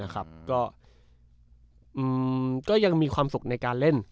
ก็ยังมีความสุขในการเล่น